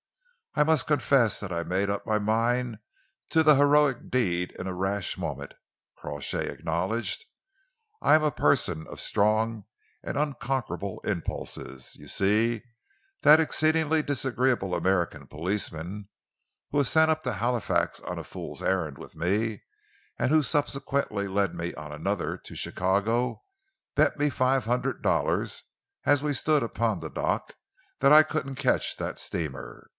"I must confess that I made up my mind to the heroic deed in a rash moment," Crawshay acknowledged. "I am a person of strong and unconquerable impulses. You see, that exceedingly disagreeable American policeman who was sent up to Halifax on a fool's errand with me, and who subsequently led me on another to Chicago, bet me five hundred dollars, as we stood upon the dock, that I couldn't catch that steamer.